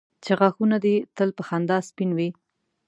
چې غاښونه دي تل په خندا سپین وي.